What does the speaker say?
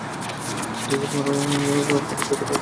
ইংরেজদের পনীর যত পচবে, যত পোকা কিলবিল করবে, ততই উপাদেয়।